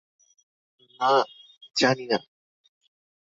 না, জানি না।